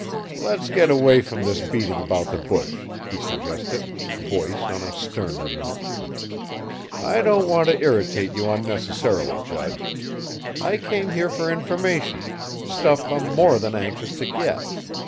"Let's get away from this beating about the bush," he suggested, voice on a sterner note. "I don't want to irritate you unnecessarily, judge. I came here for information stuff I'm more than anxious to get.